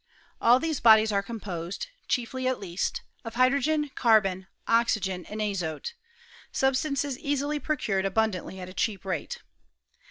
All these bodies are composed (chiefly, at least) of hydrogen, carbon, oxygen, and azote; sub stances easily procured abundantly at a cheap rate.